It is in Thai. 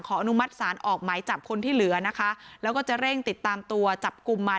อนุมัติศาลออกหมายจับคนที่เหลือนะคะแล้วก็จะเร่งติดตามตัวจับกลุ่มมา